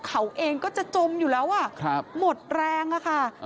เขาเองก็จะจมอยู่แล้วหมดแรงอะค่ะ